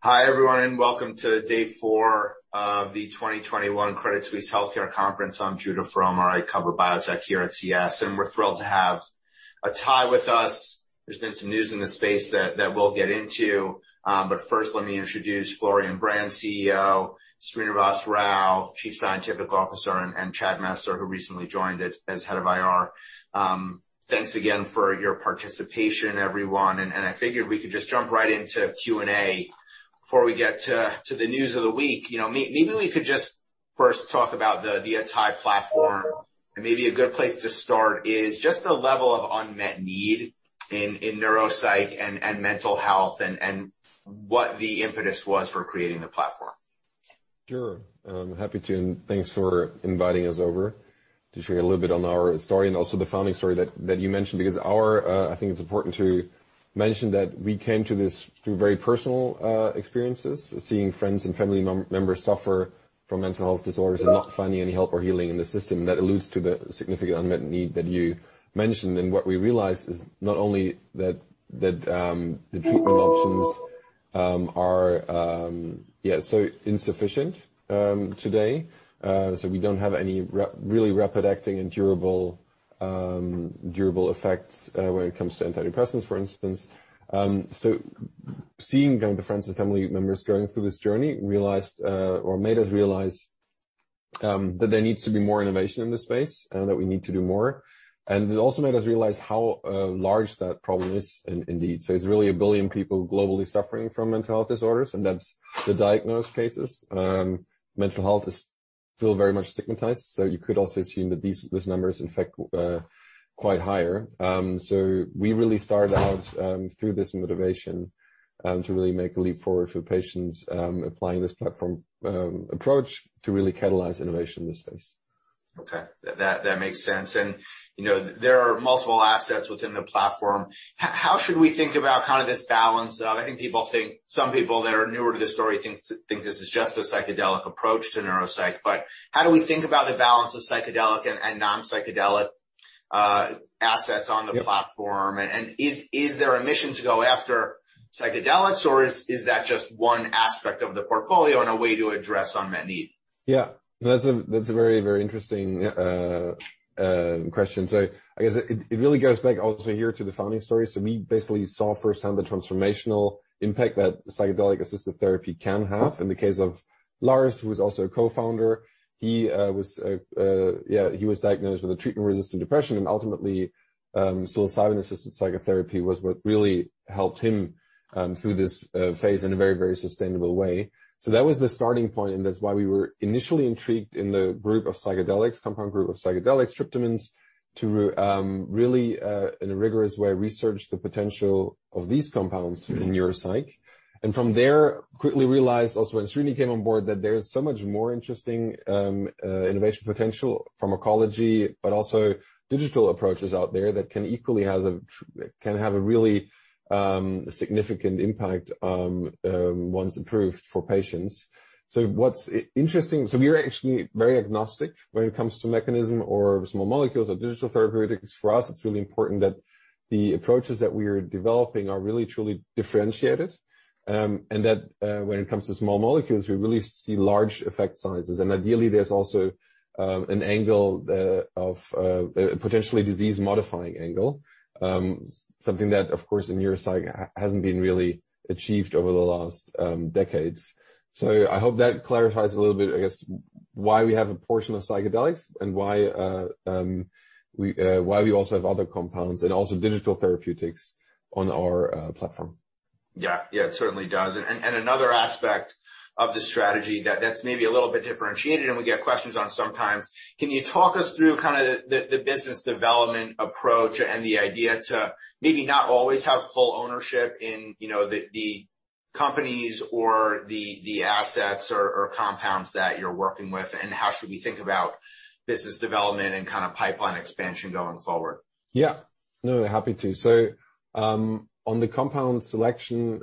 Hi everyone, and welcome to day four of the 2021 Credit Suisse Healthcare Conference. I'm Judah Frommer. I cover biotech here at CS, and we're thrilled to have Atai with us. There's been some news in the space that we'll get into. First, let me introduce Florian Brand, CEO, Srinivas Rao, Chief Scientific Officer, and [Chad Mester], who recently joined as Head of IR. Thanks again for your participation, everyone. I figured we could just jump right into Q&A before we get to the news of the week. Maybe we could just first talk about the Atai platform. Maybe a good place to start is just the level of unmet need in neuropsych and mental health and what the impetus was for creating the platform. Sure. I'm happy to. Thanks for inviting us over to share a little bit on our story and also the founding story that you mentioned, because I think it's important to mention that we came to this through very personal experiences, seeing friends and family members suffer from mental health disorders and not finding any help or healing in the system. That alludes to the significant unmet need that you mentioned. What we realized is not only that the treatment options are so insufficient today, we do not have any really rapid-acting and durable effects when it comes to antidepressants, for instance. Seeing the friends and family members going through this journey made us realize that there needs to be more innovation in this space and that we need to do more. It also made us realize how large that problem is indeed. It is really a billion people globally suffering from mental health disorders, and that is the diagnosed cases. Mental health is still very much stigmatized, so you could also assume that these numbers in fact are quite higher. We really started out through this motivation to really make a leap forward for patients applying this platform approach to really catalyze innovation in this space. Okay. That makes sense. There are multiple assets within the platform. How should we think about kind of this balance of, I think some people that are newer to the story think this is just a psychedelic approach to neuropsych, but how do we think about the balance of psychedelic and non-psychedelic assets on the platform? Is there a mission to go after psychedelics, or is that just one aspect of the portfolio and a way to address unmet need? Yeah, that's a very, very interesting question. I guess it really goes back also here to the founding story. We basically saw firsthand the transformational impact that psychedelic-assisted therapy can have. In the case of Lars, who is also a co-founder, he was diagnosed with a treatment-resistant depression, and ultimately, psilocybin-assisted psychotherapy was what really helped him through this phase in a very, very sustainable way. That was the starting point, and that's why we were initially intrigued in the group of psychedelics, compound group of psychedelics, tryptamines, to really, in a rigorous way, research the potential of these compounds in neuropsych. From there, quickly realized also when Srini came on board that there's so much more interesting innovation potential from oncology, but also digital approaches out there that can equally have a really significant impact once approved for patients. What's interesting, we're actually very agnostic when it comes to mechanism or small molecules or digital therapeutics. For us, it's really important that the approaches that we are developing are really, truly differentiated, and that when it comes to small molecules, we really see large effect sizes. Ideally, there's also an angle of a potentially disease-modifying angle, something that, of course, in neuropsych hasn't been really achieved over the last decades. I hope that clarifies a little bit, I guess, why we have a portion of psychedelics and why we also have other compounds and also digital therapeutics on our platform. Yeah, yeah, it certainly does. Another aspect of the strategy that's maybe a little bit differentiated, and we get questions on sometimes, can you talk us through kind of the business development approach and the idea to maybe not always have full ownership in the companies or the assets or compounds that you're working with, and how should we think about business development and kind of pipeline expansion going forward? Yeah, no, happy to. On the compound selection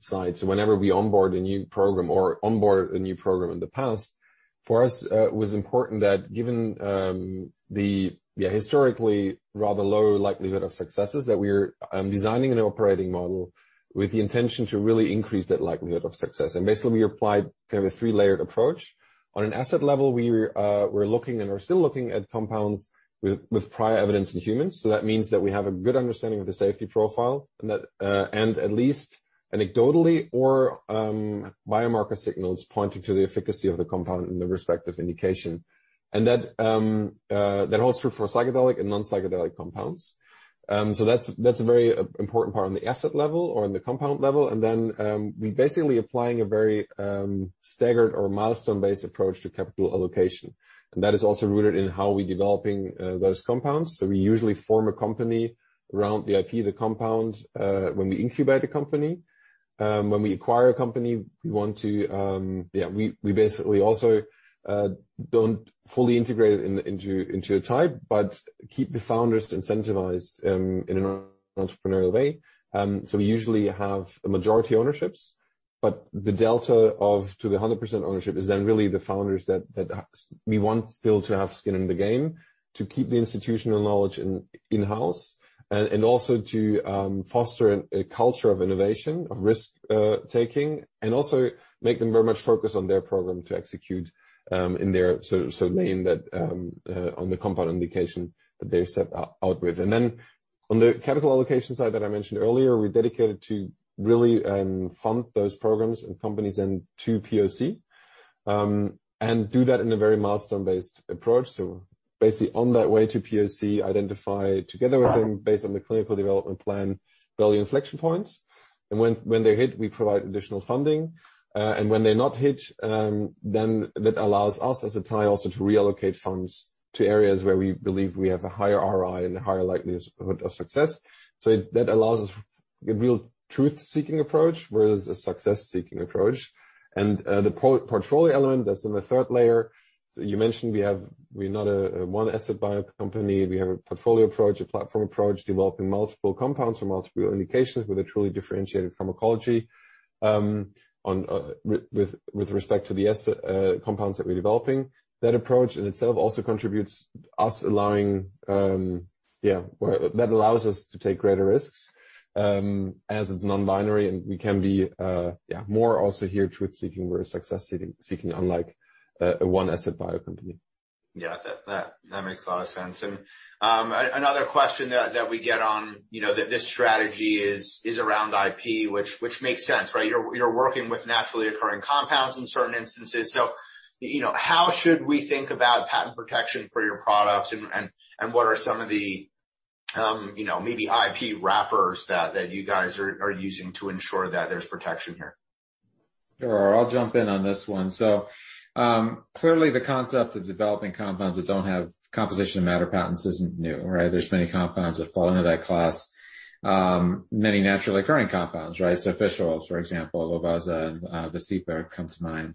side, whenever we onboard a new program or onboard a new program in the past, for us, it was important that given the historically rather low likelihood of successes, we are designing an operating model with the intention to really increase that likelihood of success. Basically, we applied kind of a three-layered approach. On an asset level, we were looking and are still looking at compounds with prior evidence in humans. That means that we have a good understanding of the safety profile and at least anecdotally or biomarker signals pointing to the efficacy of the compound in the respective indication. That holds true for psychedelic and non-psychedelic compounds. That is a very important part on the asset level or on the compound level. We're basically applying a very staggered or milestone-based approach to capital allocation. That is also rooted in how we're developing those compounds. We usually form a company around the IP, the compound, when we incubate a company. When we acquire a company, we basically also don't fully integrate it into Atai, but keep the founders incentivized in an entrepreneurial way. We usually have majority ownerships, but the delta to the 100% ownership is then really the founders that we want still to have skin in the game to keep the institutional knowledge in-house and also to foster a culture of innovation, of risk-taking, and also make them very much focus on their program to execute in their, so laying that on the compound indication that they're set out with. On the capital allocation side that I mentioned earlier, we're dedicated to really fund those programs and companies and to POC and do that in a very milestone-based approach. Basically, on that way to POC, identify together with them based on the clinical development plan, value inflection points. When they hit, we provide additional funding. When they're not hit, that allows us as Atai also to reallocate funds to areas where we believe we have a higher ROI and a higher likelihood of success. That allows us a real truth-seeking approach versus a success-seeking approach. The portfolio element, that's in the third layer. You mentioned we're not a one-asset bio company. We have a portfolio approach, a platform approach, developing multiple compounds for multiple indications with a truly differentiated pharmacology with respect to the compounds that we're developing. That approach in itself also contributes to us allowing, yeah, that allows us to take greater risks as it's non-binary, and we can be more also here truth-seeking versus success-seeking, unlike a one-asset bio company. Yeah, that makes a lot of sense. Another question that we get on this strategy is around IP, which makes sense, right? You're working with naturally occurring compounds in certain instances. How should we think about patent protection for your products, and what are some of the maybe IP wrappers that you guys are using to ensure that there's protection here? Sure. I'll jump in on this one. Clearly, the concept of developing compounds that do not have composition of matter patents is not new, right? There are many compounds that fall into that class, many naturally occurring compounds, right? Fish oils, for example, LOVAZA and VASCEPA come to mind.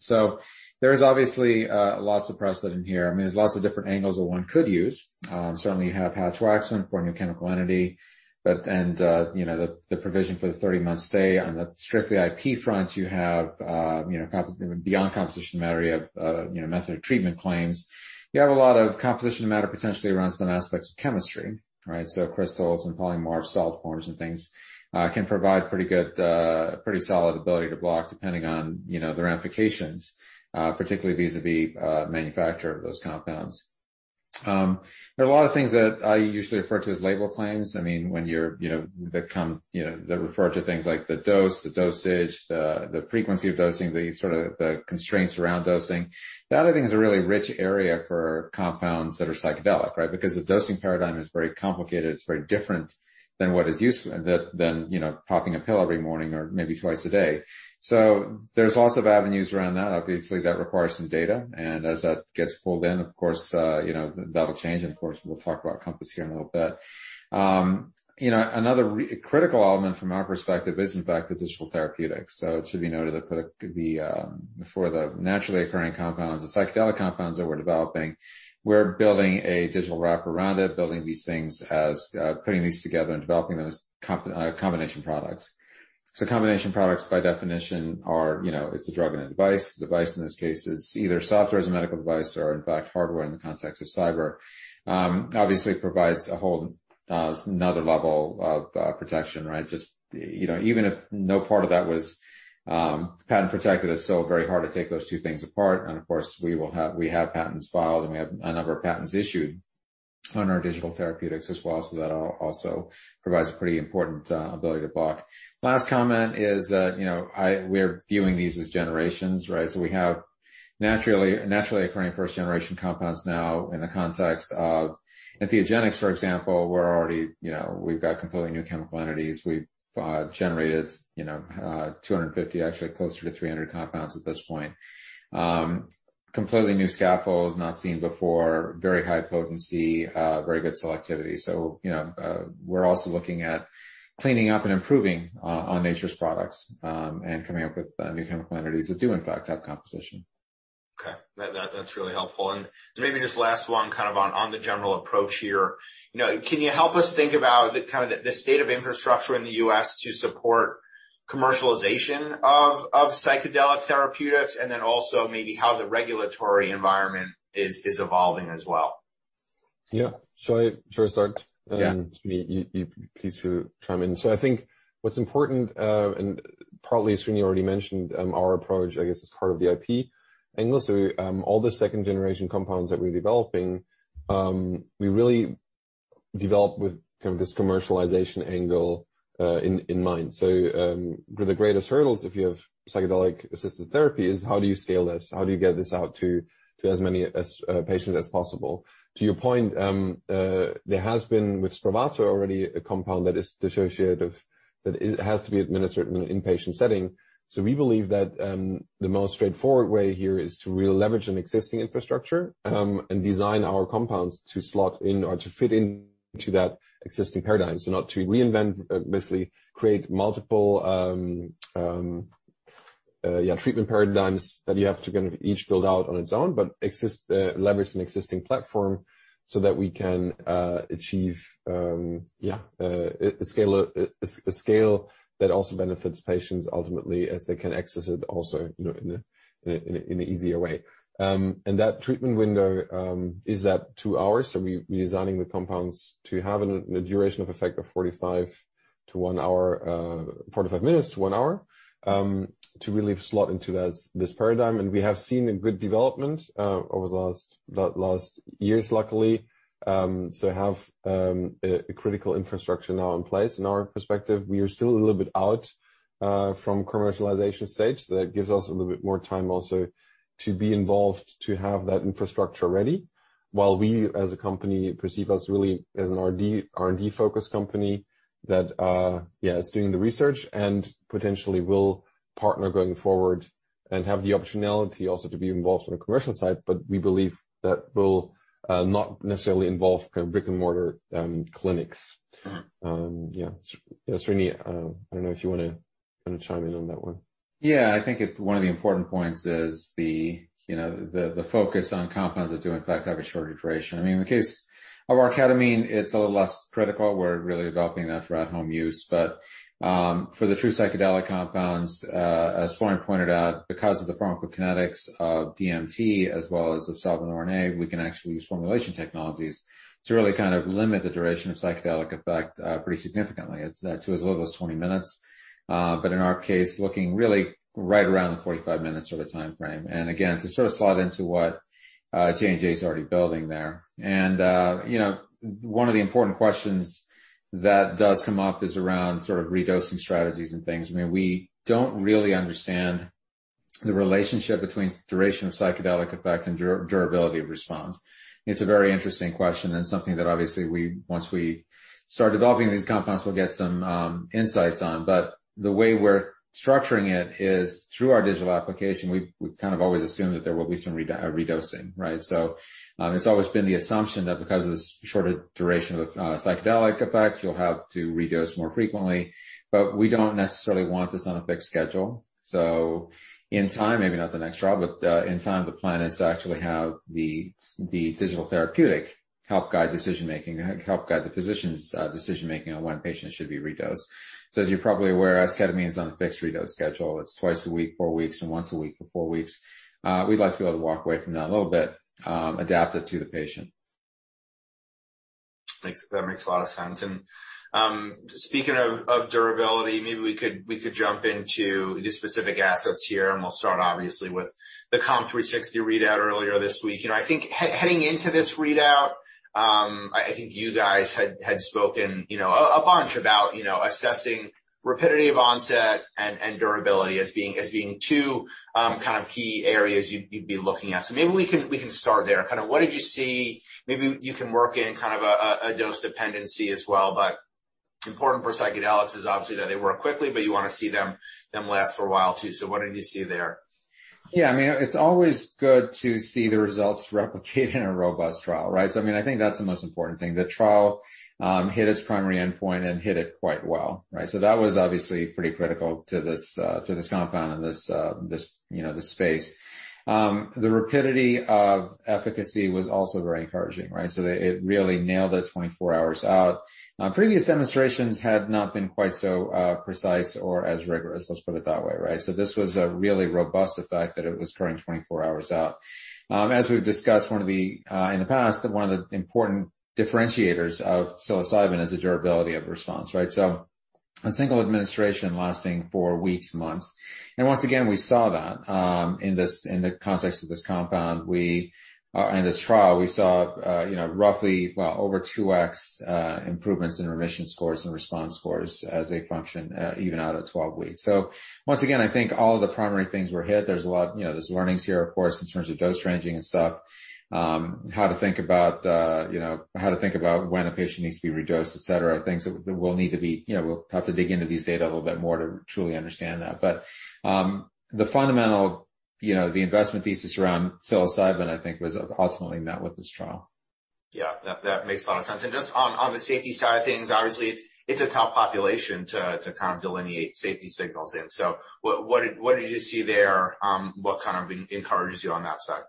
There is obviously lots of precedent here. I mean, there are lots of different angles that one could use. Certainly, you have Hatch-Waxman for a new chemical entity, and the provision for the 30-month stay. On the strictly IP front, beyond composition of matter, you have method of treatment claims. You have a lot of composition of matter potentially around some aspects of chemistry, right? Crystals and polymorphs, solid forms and things can provide pretty solid ability to block depending on the ramifications, particularly vis-à-vis manufacturer of those compounds. There are a lot of things that I usually refer to as label claims. I mean, when you refer to things like the dose, the dosage, the frequency of dosing, the constraints around dosing. That I think is a really rich area for compounds that are psychedelic, right? Because the dosing paradigm is very complicated. It's very different than what is used than popping a pill every morning or maybe twice a day. There are lots of avenues around that, obviously, that require some data. As that gets pulled in, of course, that'll change. Of course, we'll talk about Compass here in a little bit. Another critical element from our perspective is, in fact, the digital therapeutics. It should be noted that for the naturally occurring compounds, the psychedelic compounds that we're developing, we're building a digital wrap around it, building these things, putting these together and developing those combination products. Combination products, by definition, are it's a drug and a device. The device in this case is either software as a medical device or, in fact, hardware in the context of Psyber. Obviously, it provides a whole another level of protection, right? Just even if no part of that was patent-protected, it's still very hard to take those two things apart. Of course, we have patents filed, and we have a number of patents issued on our digital therapeutics as well. That also provides a pretty important ability to block. Last comment is that we're viewing these as generations, right? We have naturally occurring first-generation compounds now in the context of entheogenics, for example. We've got completely new chemical entities. We've generated 250, actually closer to 300 compounds at this point. Completely new scaffolds, not seen before, very high potency, very good selectivity. We're also looking at cleaning up and improving on nature's products and coming up with new chemical entities that do, in fact, have composition. Okay. That's really helpful. Maybe just last one kind of on the general approach here. Can you help us think about kind of the state of infrastructure in the U.S. to support commercialization of psychedelic therapeutics and then also maybe how the regulatory environment is evolving as well? Yeah. Should I start? Yeah. Please do, chime in. I think what's important, and partly Srini already mentioned, our approach, I guess, is part of the IP angle. All the second-generation compounds that we're developing, we really develop with kind of this commercialization angle in mind. The greatest hurdles, if you have psychedelic-assisted therapy, is how do you scale this? How do you get this out to as many patients as possible? To your point, there has been with Spravato already a compound that is dissociative that has to be administered in an inpatient setting. We believe that the most straightforward way here is to really leverage an existing infrastructure and design our compounds to slot in or to fit into that existing paradigm. Not to reinvent, basically create multiple, yeah, treatment paradigms that you have to kind of each build out on its own, but leverage an existing platform so that we can achieve, yeah, a scale that also benefits patients ultimately as they can access it also in an easier way. That treatment window is that two hours. We are designing the compounds to have a duration of effect of 45 minutes to one hour to really slot into this paradigm. We have seen a good development over the last years, luckily. We have a critical infrastructure now in place. In our perspective, we are still a little bit out from commercialization stage. That gives us a little bit more time also to be involved to have that infrastructure ready while we, as a company, perceive us really as an R&D-focused company that, yeah, is doing the research and potentially will partner going forward and have the optionality also to be involved on the commercial side. We believe that will not necessarily involve kind of brick-and-mortar clinics. Yeah. Srini, I don't know if you want to kind of chime in on that one. Yeah. I think one of the important points is the focus on compounds that do, in fact, have a shorter duration. I mean, in the case of our ketamine, it's a little less critical. We're really developing that for at-home use. For the true psychedelic compounds, as Florian pointed out, because of the pharmacokinetics of DMT as well as of [psilocybin] RNA, we can actually use formulation technologies to really kind of limit the duration of psychedelic effect pretty significantly. It's to as little as 20 minutes. In our case, looking really right around the 45 minutes sort of timeframe. Again, to sort of slot into what J&J is already building there. One of the important questions that does come up is around sort of redosing strategies and things. I mean, we don't really understand the relationship between duration of psychedelic effect and durability of response. It's a very interesting question and something that obviously once we start developing these compounds, we'll get some insights on. The way we're structuring it is through our digital application, we've kind of always assumed that there will be some redosing, right? It's always been the assumption that because of the shorter duration of psychedelic effect, you'll have to redose more frequently. We don't necessarily want this on a fixed schedule. In time, maybe not the next trial, but in time, the plan is to actually have the digital therapeutic help guide decision-making, help guide the physician's decision-making on when patients should be redosed. As you're probably aware, ketamine is on a fixed redose schedule, it's twice a week, four weeks, and once a week for four weeks. We'd like to be able to walk away from that a little bit, adapt it to the patient. That makes a lot of sense. Speaking of durability, maybe we could jump into the specific assets here. We'll start obviously with the COMP360 readout earlier this week. I think heading into this readout, you guys had spoken a bunch about assessing rapidity of onset and durability as being two kind of key areas you'd be looking at. Maybe we can start there. Kind of what did you see? Maybe you can work in kind of a dose dependency as well. Important for psychedelics is obviously that they work quickly, but you want to see them last for a while too. What did you see there? Yeah. I mean, it's always good to see the results replicate in a robust trial, right? I mean, I think that's the most important thing. The trial hit its primary endpoint and hit it quite well, right? That was obviously pretty critical to this compound and this space. The rapidity of efficacy was also very encouraging, right? It really nailed it 24 hours out. Previous demonstrations had not been quite so precise or as rigorous, let's put it that way, right? This was a really robust effect that it was occurring 24 hours out. As we've discussed in the past, one of the important differentiators of psilocybin is the durability of response, right? A single administration lasting for weeks, months. Once again, we saw that in the context of this compound and this trial, we saw roughly, well, over 2x improvements in remission scores and response scores as they function even out at 12 weeks. Once again, I think all of the primary things were hit. There are learnings here, of course, in terms of dose ranging and stuff, how to think about how to think about when a patient needs to be redosed, etc., things that we will need to dig into these data a little bit more to truly understand that. The fundamental, the investment thesis around psilocybin, I think, was ultimately met with this trial. Yeah. That makes a lot of sense. Just on the safety side of things, obviously, it's a tough population to kind of delineate safety signals in. What did you see there? What kind of encourages you on that side?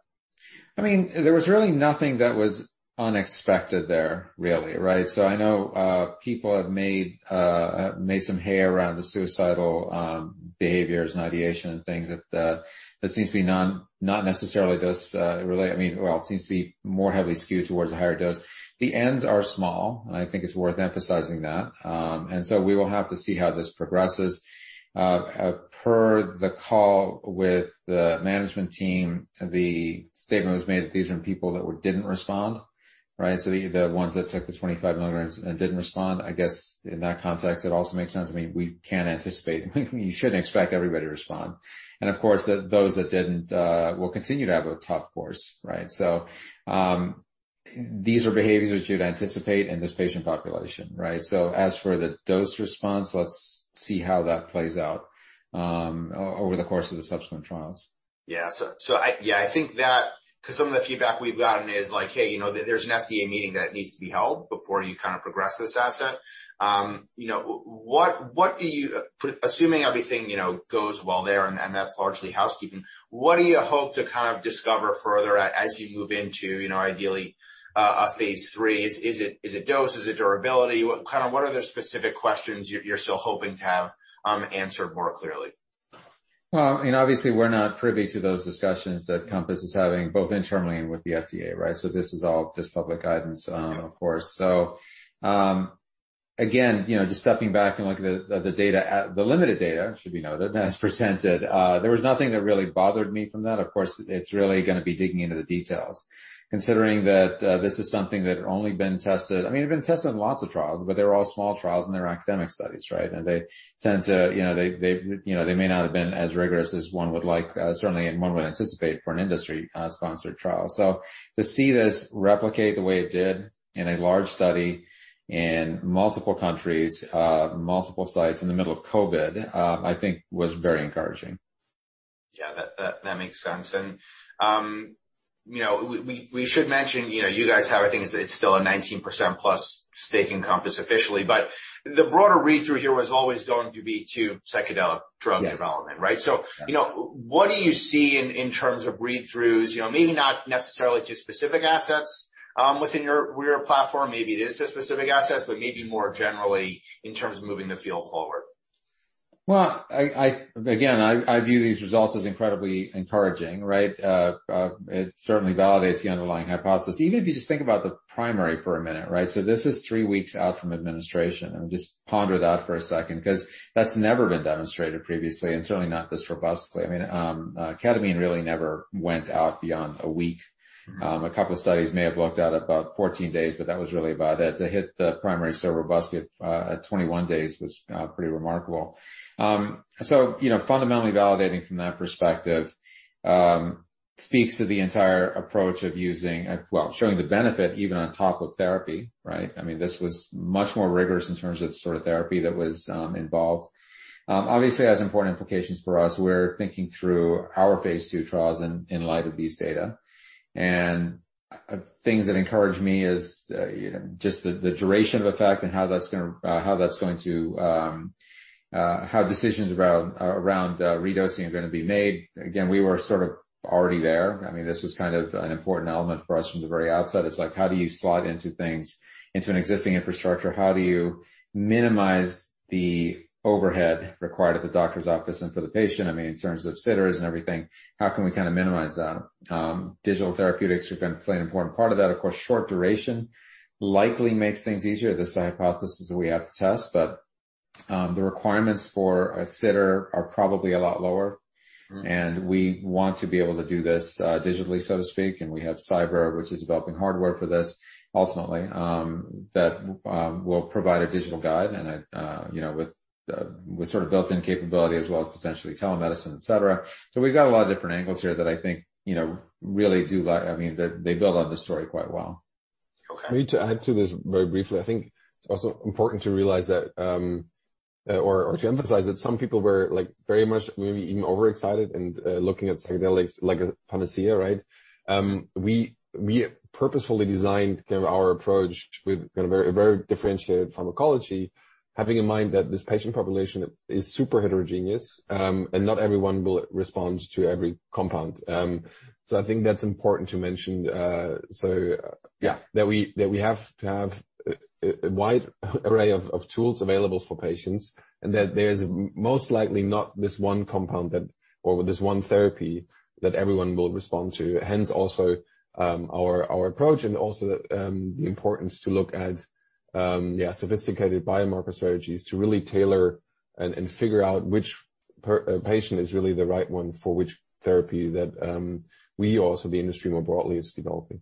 I mean, there was really nothing that was unexpected there, really, right? I know people have made some hay around the suicidal behaviors and ideation and things that seems to be not necessarily dose related. I mean, it seems to be more heavily skewed towards a higher dose. The ends are small, and I think it's worth emphasizing that. We will have to see how this progresses. Per the call with the management team, the statement was made that these are people that didn't respond, right? The ones that took the 25 mg and didn't respond, I guess in that context, it also makes sense. I mean, we can anticipate you shouldn't expect everybody to respond. Of course, those that didn't will continue to have a tough course, right? These are behaviors you'd anticipate in this patient population, right? As for the dose response, let's see how that plays out over the course of the subsequent trials. Yeah. Yeah, I think that because some of the feedback we've gotten is like, "Hey, there's an FDA meeting that needs to be held before you kind of progress this asset." Assuming everything goes well there, and that's largely housekeeping, what do you hope to kind of discover further as you move into ideally a phase III? Is it dose? Is it durability? Kind of what are the specific questions you're still hoping to have answered more clearly? I mean, obviously, we're not privy to those discussions that Compass is having both internally and with the FDA, right? This is all just public guidance, of course. Again, just stepping back and looking at the data, the limited data should be noted as presented, there was nothing that really bothered me from that. Of course, it's really going to be digging into the details. Considering that this is something that has only been tested, I mean, they've been tested in lots of trials, but they're all small trials and they're academic studies, right? They tend to, they may not have been as rigorous as one would like, certainly, and one would anticipate for an industry-sponsored trial. To see this replicate the way it did in a large study in multiple countries, multiple sites in the middle of COVID, I think was very encouraging. Yeah. That makes sense. We should mention you guys have, I think, it's still a 19% plus stake in Compass officially. The broader read-through here was always going to be to psychedelic drug development, right? What do you see in terms of read-throughs? Maybe not necessarily to specific assets within your platform. Maybe it is to specific assets, but maybe more generally in terms of moving the field forward. I view these results as incredibly encouraging, right? It certainly validates the underlying hypothesis. Even if you just think about the primary for a minute, right? This is three weeks out from administration. Just ponder that for a second because that's never been demonstrated previously and certainly not this robustly. I mean, ketamine really never went out beyond a week. A couple of studies may have looked at about 14 days, but that was really about it. To hit the primary so robustly at 21 days was pretty remarkable. Fundamentally validating from that perspective speaks to the entire approach of using, well, showing the benefit even on top of therapy, right? I mean, this was much more rigorous in terms of the sort of therapy that was involved. Obviously, it has important implications for us. We're thinking through our phase II trials in light of these data. Things that encourage me is just the duration of effect and how that's going to, how decisions around redosing are going to be made. Again, we were sort of already there. I mean, this was kind of an important element for us from the very outset. It's like, how do you slot into things, into an existing infrastructure? How do you minimize the overhead required at the doctor's office and for the patient? I mean, in terms of sitters and everything, how can we kind of minimize that? Digital therapeutics have played an important part of that. Of course, short duration likely makes things easier. This is a hypothesis that we have to test. The requirements for a sitter are probably a lot lower. We want to be able to do this digitally, so to speak. We have Psyber, which is developing hardware for this ultimately, that will provide a digital guide with sort of built-in capability as well as potentially telemedicine, etc. We have a lot of different angles here that I think really do, I mean, they build on this story quite well. Okay. Maybe to add to this very briefly, I think it's also important to realize that or to emphasize that some people were very much maybe even overexcited and looking at psychedelics like a panacea, right? We purposefully designed kind of our approach with kind of a very differentiated pharmacology, having in mind that this patient population is super heterogeneous and not everyone will respond to every compound. I think that's important to mention. Yeah, that we have to have a wide array of tools available for patients and that there is most likely not this one compound or this one therapy that everyone will respond to. Hence also our approach and also the importance to look at, yeah, sophisticated biomarker strategies to really tailor and figure out which patient is really the right one for which therapy that we also the industry more broadly is developing.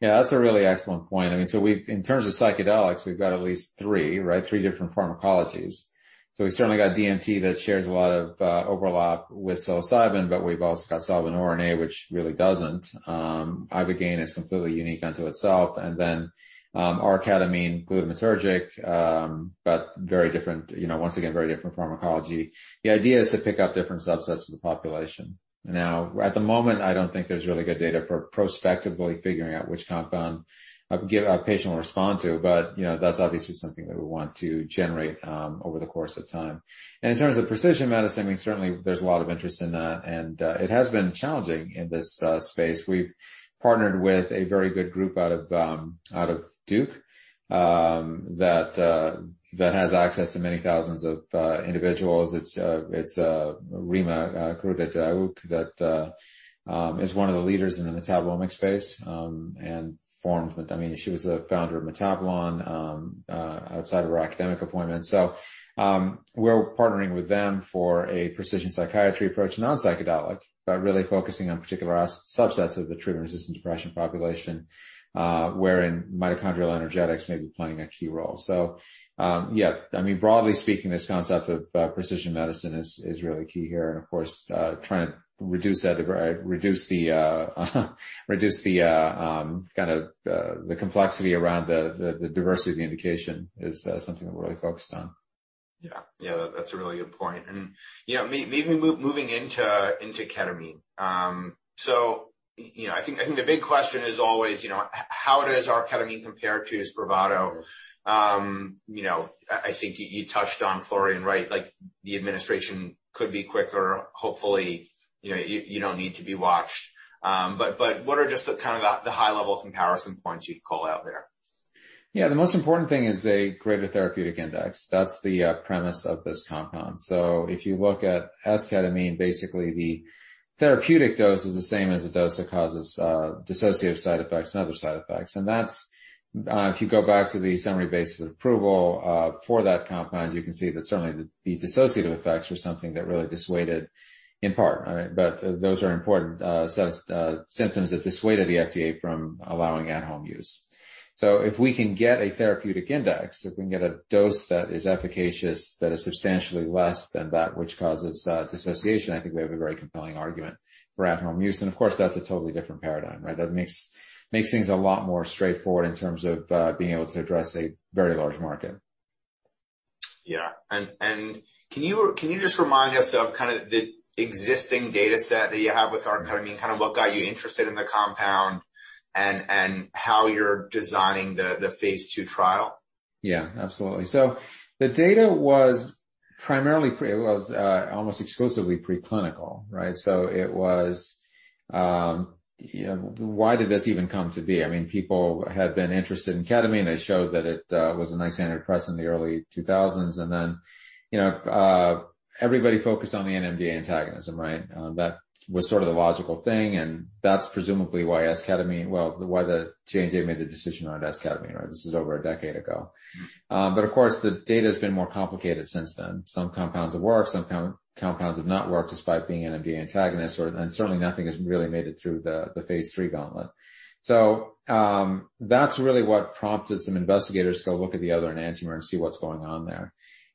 Yeah. That's a really excellent point. I mean, in terms of psychedelics, we've got at least three, right? Three different pharmacologies. We certainly got DMT that shares a lot of overlap with psilocybin, but we've also got [psilocybin] RNA, which really doesn't. Ibogaine is completely unique unto itself. And then our ketamine glutamatergic, but very different, once again, very different pharmacology. The idea is to pick up different subsets of the population. Now, at the moment, I don't think there's really good data for prospectively figuring out which compound a patient will respond to. That's obviously something that we want to generate over the course of time. In terms of precision medicine, I mean, certainly there's a lot of interest in that. It has been challenging in this space. We've partnered with a very good group out of Duke that has access to many thousands of individuals. It's Rima Kaddurah-Daouk that is one of the leaders in the metabolomics space and formed with, I mean, she was a founder of Metabolon outside of her academic appointment. So we're partnering with them for a precision psychiatry approach, non-psychedelic, really focusing on particular subsets of the treatment-resistant depression population, wherein mitochondrial energetics may be playing a key role. Yeah, I mean, broadly speaking, this concept of precision medicine is really key here. Of course, trying to reduce the kind of the complexity around the diversity of the indication is something that we're really focused on. Yeah. Yeah. That's a really good point. Maybe moving into ketamine. I think the big question is always, how does our ketamine compare to Spravato? I think you touched on Florian, right? The administration could be quicker. Hopefully, you don't need to be watched. What are just kind of the high-level comparison points you'd call out there? Yeah. The most important thing is the greater therapeutic index. That's the premise of this compound. If you look at S-ketamine, basically the therapeutic dose is the same as the dose that causes dissociative side effects and other side effects. If you go back to the summary basis of approval for that compound, you can see that certainly the dissociative effects were something that really dissuaded in part. Those are important symptoms that dissuaded the FDA from allowing at-home use. If we can get a therapeutic index, if we can get a dose that is efficacious, that is substantially less than that which causes dissociation, I think we have a very compelling argument for at-home use. Of course, that's a totally different paradigm, right? That makes things a lot more straightforward in terms of being able to address a very large market. Yeah. Can you just remind us of kind of the existing dataset that you have with arketamine? Kind of what got you interested in the compound and how you're designing the phase II trial? Yeah. Absolutely. The data was primarily, it was almost exclusively preclinical, right? It was, why did this even come to be? I mean, people had been interested in ketamine. They showed that it was a nice antidepressant in the early 2000s. Everybody focused on the NMDA antagonism, right? That was sort of the logical thing. That is presumably why J&J made the decision around S-ketamine, right? This is over a decade ago. Of course, the data has been more complicated since then. Some compounds have worked. Some compounds have not worked despite being NMDA antagonists. Certainly, nothing has really made it through the phase III gauntlet. That is really what prompted some investigators to go look at the other enantiomer and see what is going on there.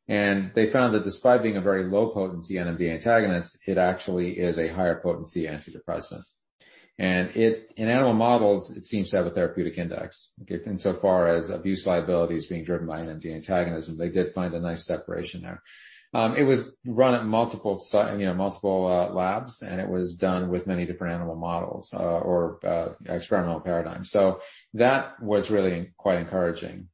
They found that despite being a very low-potency NMDA antagonist, it actually is a higher-potency antidepressant. In animal models, it seems to have a therapeutic index. Insofar as abuse liability is being driven by NMDA antagonist, they did find a nice separation there. It was run at multiple labs, and it was done with many different animal models or experimental paradigms. That was really quite encouraging.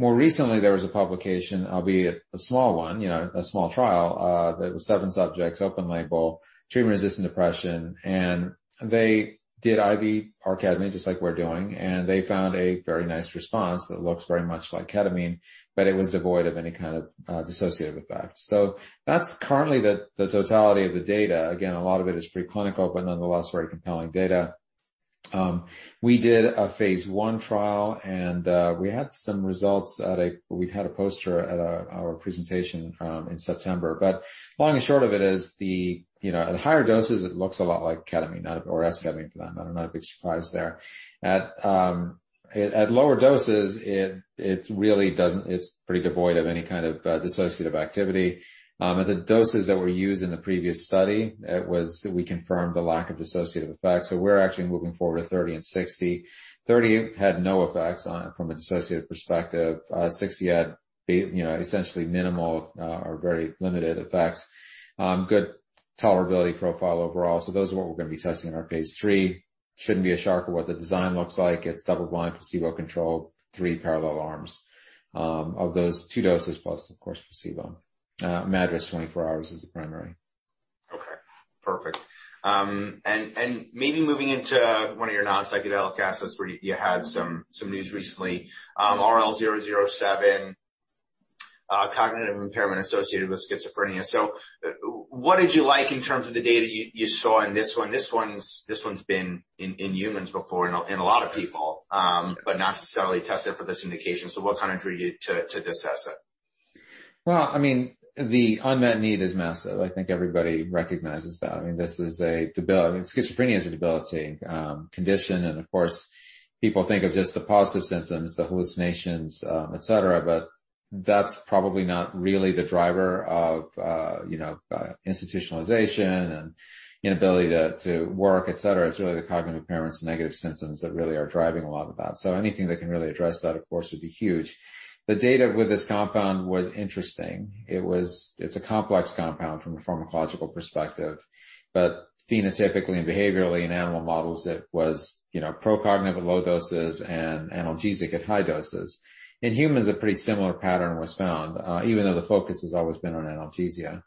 More recently, there was a publication, albeit a small one, a small trial that was seven subjects, open label, treatment-resistant depression. They did IV arketamine just like we're doing. They found a very nice response that looks very much like ketamine, but it was devoid of any kind of dissociative effect. That is currently the totality of the data. Again, a lot of it is preclinical, but nonetheless, very compelling data. We did a phase I trial, and we had some results that we've had a poster at our presentation in September. Long and short of it is, at higher doses, it looks a lot like ketamine or S-ketamine for them. Not a big surprise there. At lower doses, it really doesn't; it's pretty devoid of any kind of dissociative activity. At the doses that were used in the previous study, we confirmed the lack of dissociative effects. We're actually moving forward to 30 and 60. Thirty had no effects from a dissociative perspective. Sixty had essentially minimal or very limited effects. Good tolerability profile overall. Those are what we're going to be testing in our phase III. Shouldn't be a shock of what the design looks like. It's double-blind, placebo-controlled, three parallel arms of those two doses plus, of course, placebo. [Madrass] 24 hours is the primary. Okay. Perfect. Maybe moving into one of your non-psychedelic assets where you had some news recently, RL-007, cognitive impairment associated with schizophrenia. What did you like in terms of the data you saw in this one? This one's been in humans before and a lot of people, but not necessarily tested for this indication. What kind of drew you to this asset? I mean, the unmet need is massive. I think everybody recognizes that. I mean, this is a schizophrenia is a debilitating condition. Of course, people think of just the positive symptoms, the hallucinations, etc., but that's probably not really the driver of institutionalization and inability to work, etc. It's really the cognitive impairments and negative symptoms that really are driving a lot of that. Anything that can really address that, of course, would be huge. The data with this compound was interesting. It's a complex compound from a pharmacological perspective. Phenotypically and behaviorally in animal models, it was pro-cognitive at low doses and analgesic at high doses. In humans, a pretty similar pattern was found, even though the focus has always been on analgesia.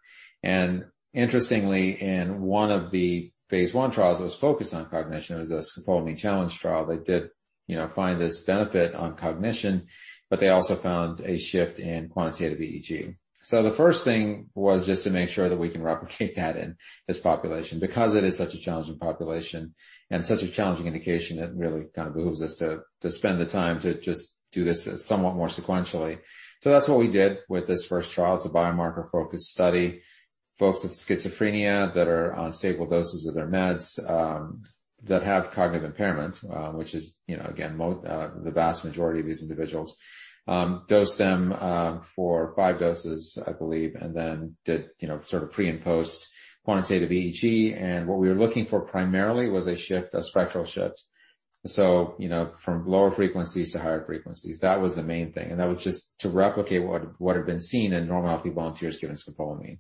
Interestingly, in one of the phase I trials that was focused on cognition, it was a scopolamine challenge trial. They did find this benefit on cognition, but they also found a shift in quantitative EEG. The first thing was just to make sure that we can replicate that in this population because it is such a challenging population and such a challenging indication that really kind of behooves us to spend the time to just do this somewhat more sequentially. That is what we did with this first trial. It is a biomarker-focused study. Folks with schizophrenia that are on stable doses of their meds that have cognitive impairment, which is, again, the vast majority of these individuals, dosed them for five doses, I believe, and then did sort of pre and post quantitative EEG. What we were looking for primarily was a shift, a spectral shift. From lower frequencies to higher frequencies. That was the main thing. That was just to replicate what had been seen in normal healthy volunteers given scopolamine.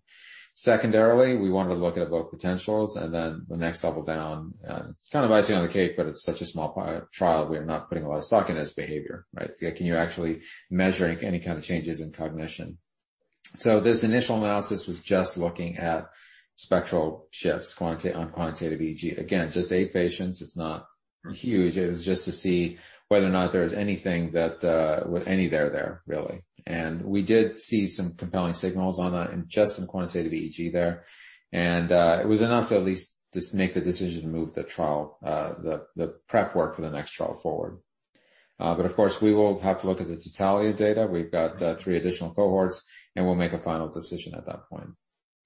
Secondarily, we wanted to look at both potentials and then the next level down. It's kind of icing on the cake, but it's such a small trial. We're not putting a lot of stock in his behavior, right? Can you actually measure any kind of changes in cognition? This initial analysis was just looking at spectral shifts, quantitative EEG. Again, just eight patients. It's not huge. It was just to see whether or not there was anything that was any there there, really. We did see some compelling signals on that and just some quantitative EEG there. It was enough to at least just make the decision to move the trial, the prep work for the next trial forward. Of course, we will have to look at the totality of data. We've got three additional cohorts, and we'll make a final decision at that point.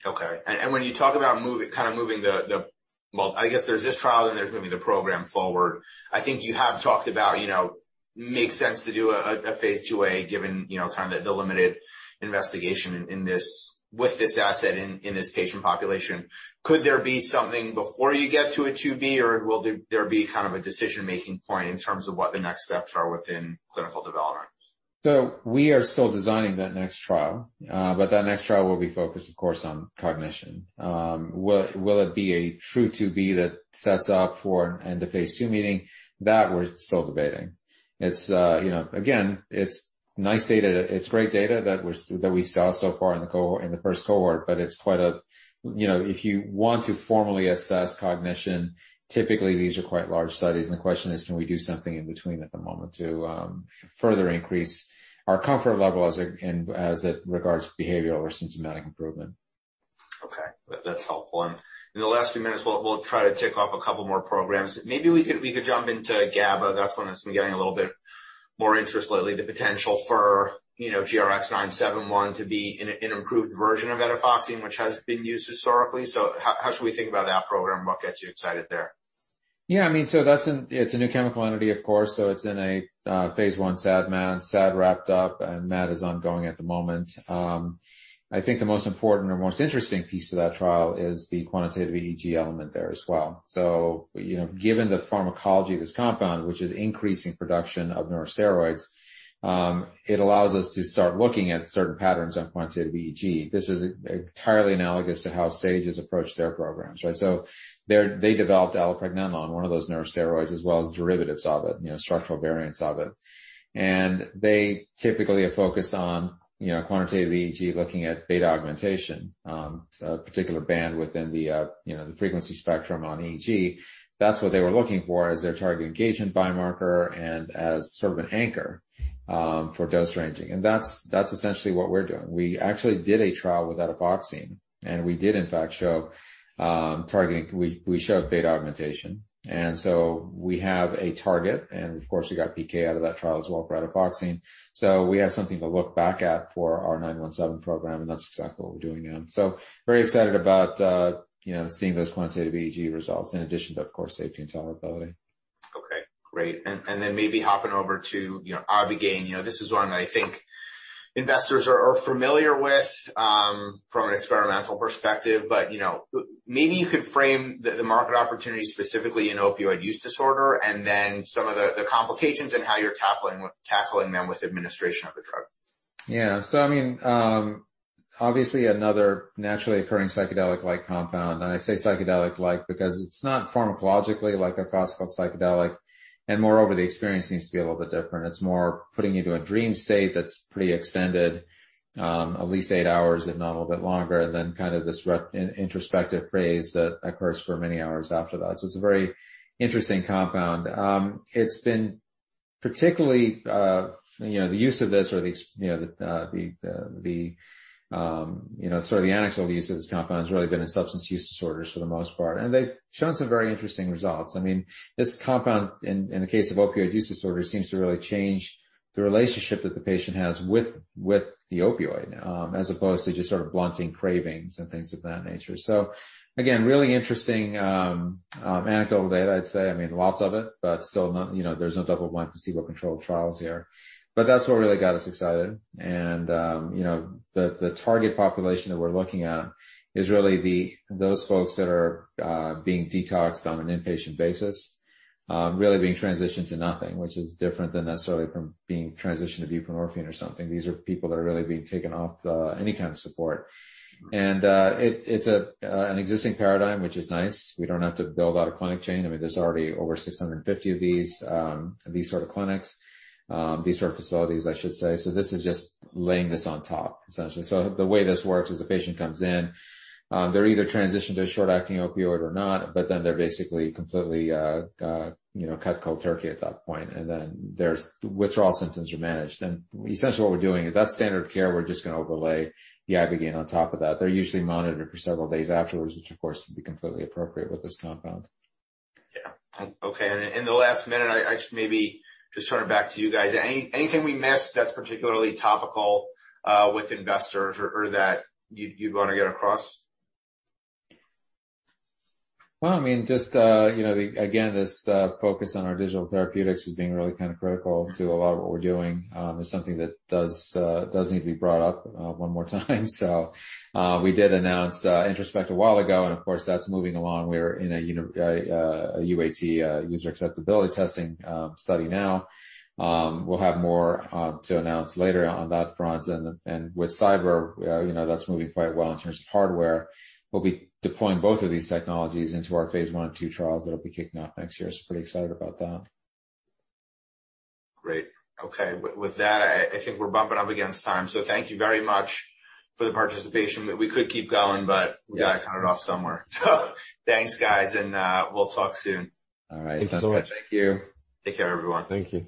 Okay. When you talk about kind of moving the, I guess there's this trial and there's moving the program forward, I think you have talked about it makes sense to do a phase II A given kind of the limited investigation with this asset in this patient population. Could there be something before you get to a two B, or will there be kind of a decision-making point in terms of what the next steps are within clinical development? We are still designing that next trial. That next trial will be focused, of course, on cognition. Will it be a true 2b that sets up for the phase II meeting? That we are still debating. Again, it is nice data. It is great data that we saw so far in the first cohort, but it is quite a, if you want to formally assess cognition, typically these are quite large studies. The question is, can we do something in between at the moment to further increase our comfort level as it regards behavioral or symptomatic improvement? Okay. That's helpful. In the last few minutes, we'll try to tick off a couple more programs. Maybe we could jump into GABA. That's one that's been getting a little bit more interest lately, the potential for GRX-917 to be an improved version of Etifoxine, which has been used historically. How should we think about that program? What gets you excited there? Yeah. I mean, so it's a new chemical entity, of course. So it's in a phase I SAD and MAD. SAD wrapped up, and MAD is ongoing at the moment. I think the most important or most interesting piece of that trial is the quantitative EEG element there as well. Given the pharmacology of this compound, which is increasing production of neurosteroids, it allows us to start looking at certain patterns on quantitative EEG. This is entirely analogous to how Sage has approached their programs, right? They developed allopregnanolone, one of those neurosteroids, as well as derivatives of it, structural variants of it. They typically are focused on quantitative EEG, looking at beta augmentation, a particular band within the frequency spectrum on EEG. That's what they were looking for as their target engagement biomarker and as sort of an anchor for dose ranging. That's essentially what we're doing. We actually did a trial with etifoxine, and we did, in fact, show targeting; we showed beta augmentation. We have a target, and of course, we got PK out of that trial as well for etifoxine. We have something to look back at for our 917 program, and that's exactly what we're doing now. Very excited about seeing those quantitative EEG results in addition to, of course, safety and tolerability. Okay. Great. Maybe hopping over to Ibogaine, this is one that I think investors are familiar with from an experimental perspective, but maybe you could frame the market opportunity specifically in opioid use disorder and then some of the complications and how you're tackling them with administration of the drug. Yeah. I mean, obviously, another naturally occurring psychedelic-like compound. I say psychedelic-like because it's not pharmacologically like a classical psychedelic. Moreover, the experience seems to be a little bit different. It's more putting you to a dream state that's pretty extended, at least eight hours, if not a little bit longer, than kind of this introspective phase that occurs for many hours after that. It's a very interesting compound. It's been particularly the use of this or the sort of the anecdotal use of this compound has really been in substance use disorders for the most part. They've shown some very interesting results. I mean, this compound, in the case of opioid use disorders, seems to really change the relationship that the patient has with the opioid as opposed to just sort of blunting cravings and things of that nature. Again, really interesting anecdotal data, I'd say. I mean, lots of it, but still, there's no double-blind placebo-controlled trials here. That's what really got us excited. The target population that we're looking at is really those folks that are being detoxed on an inpatient basis, really being transitioned to nothing, which is different than necessarily from being transitioned to buprenorphine or something. These are people that are really being taken off any kind of support. It's an existing paradigm, which is nice. We don't have to build out a clinic chain. I mean, there's already over 650 of these sort of clinics, these sort of facilities, I should say. This is just laying this on top, essentially. The way this works is the patient comes in, they're either transitioned to a short-acting opioid or not, but then they're basically completely cut cold turkey at that point. Their withdrawal symptoms are managed. Essentially, what we're doing is that standard of care, we're just going to overlay the Ibogaine on top of that. They're usually monitored for several days afterwards, which, of course, would be completely appropriate with this compound. Yeah. Okay. In the last minute, maybe just turning back to you guys, anything we missed that's particularly topical with investors or that you'd want to get across? I mean, just again, this focus on our digital therapeutics is being really kind of critical to a lot of what we're doing. It's something that does need to be brought up one more time. We did announce Introspect a while ago, and of course, that's moving along. We're in a UAT user acceptability testing study now. We'll have more to announce later on that front. With Psyber, that's moving quite well in terms of hardware. We'll be deploying both of these technologies into our phase I and II trials that will be kicking off next year. Pretty excited about that. Great. Okay. With that, I think we're bumping up against time. Thank you very much for the participation. We could keep going, but we got to cut it off somewhere. Thanks, guys, and we'll talk soon. All right. Thank you. Thank you. Take care, everyone. Thank you.